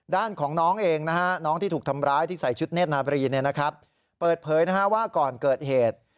ด้านของน้องเองน้องที่ถูกทำร้ายที่ใส่ชุดเนธนาบรีเปิดเผยว่าก่อนเกิดเหตุ